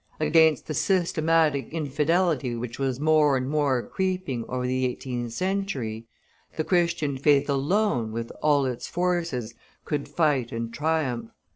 Against the systematic infidelity which was more and more creeping over the eighteenth century, the Christian faith alone, with all its forces, could fight and triumph.